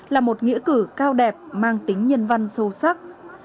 là một nghĩa cử cao đẹp mang tính nhân văn sâu sắc